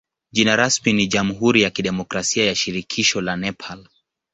Jina rasmi ni jamhuri ya kidemokrasia ya shirikisho la Nepal.